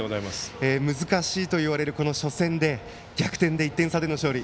難しいと呼ばれる初戦で逆転で１点差での勝利。